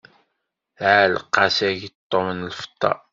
Tɛelleq-as ageṭṭum n lfeṭṭa.